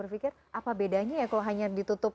berpikir apa bedanya ya kalau hanya ditutup